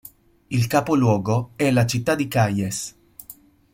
Il capoluogo è la città di Kayes.